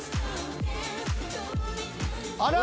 あら！